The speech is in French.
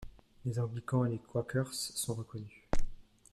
Les anglicans et les quakers sont reconnus.